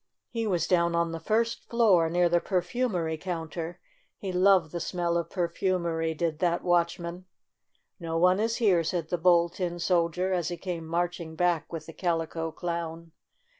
He was down on the first floor, near the perfumery coun ter. He loved the smell of perfumery, did that watchman. "No one is here !" said the Bold Tin Sol dier, as he came marching back with the Calico Clown.